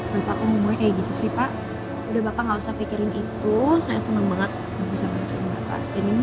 bapak umurnya kayak gitu sih pak udah bapak gak usah pikirin itu saya senang banget bisa membantu bapak